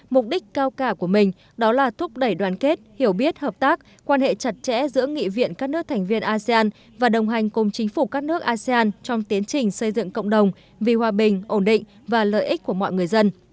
mục đích cao cả của mình đó là thúc đẩy đoàn kết hiểu biết hợp tác quan hệ chặt chẽ giữa nghị viện các nước thành viên asean và đồng hành cùng chính phủ các nước asean trong tiến trình xây dựng cộng đồng vì hòa bình ổn định và lợi ích của mọi người dân